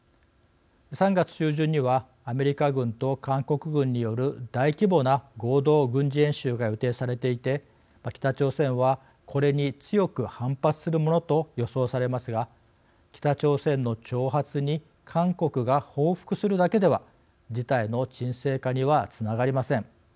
３月中旬にはアメリカ軍と韓国軍による大規模な合同軍事演習が予定されていて北朝鮮はこれに強く反発するものと予想されますが北朝鮮の挑発に韓国が報復するだけでは事態の鎮静化にはつながりません。